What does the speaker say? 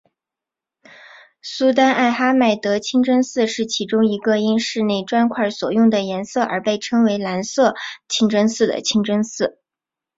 苏丹艾哈迈德清真寺是其中一个因室内砖块所用的颜色而被称为蓝色清真寺的清真寺。